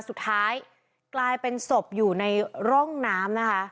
สุดท้ายกลายเป็นศพอยู่ในร่องน้ำนะคะ